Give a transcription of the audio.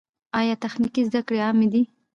آیا تخنیکي زده کړې عامې دي؟